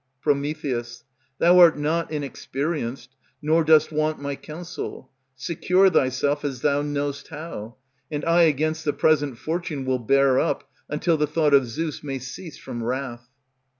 Pr. Thou art not inexperienced, nor dost want My counsel; secure thyself as thou know'st how; And I against the present fortune will bear up, Until the thought of Zeus may cease from wrath.